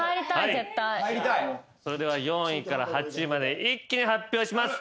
それでは４位から８位まで一気に発表します。